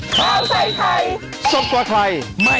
โปรดติดตามตอนต่อไป